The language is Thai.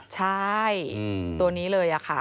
ใช่ตัวนี้เลยค่ะ